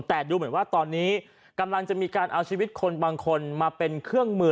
แต่ดูเหมือนว่าตอนนี้กำลังจะมีการเอาชีวิตคนบางคนมาเป็นเครื่องมือ